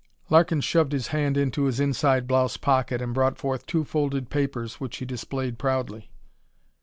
Larkin shoved his hand into his inside blouse pocket and brought forth two folded papers which he displayed proudly.